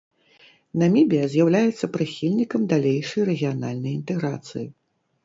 Намібія з'яўляецца прыхільнікам далейшай рэгіянальнай інтэграцыі.